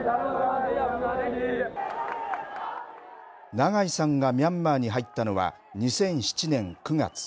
長井さんがミャンマーに入ったのは２００７年９月。